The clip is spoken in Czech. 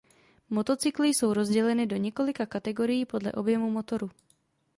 Motocykly jsou rozděleny do několika kategorií podle objemu motoru.